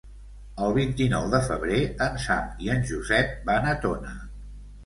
El vint-i-nou de febrer en Sam i en Josep van a Tona.